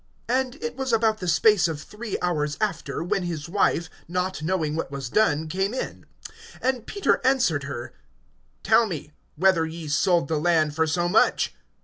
(7)And it was about the space of three hours after, when his wife, not knowing what was done, came in. (8)And Peter answered her: Tell me, whether ye sold the land for so much?